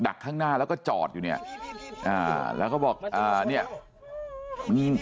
ข้างหน้าแล้วก็จอดอยู่เนี่ยอ่าแล้วก็บอกอ่าเนี่ยมัน